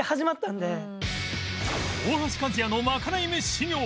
大橋和也のまかない飯修業